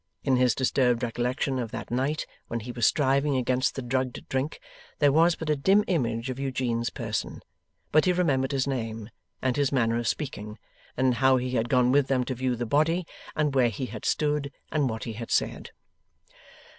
In his disturbed recollection of that night when he was striving against the drugged drink, there was but a dim image of Eugene's person; but he remembered his name, and his manner of speaking, and how he had gone with them to view the body, and where he had stood, and what he had said.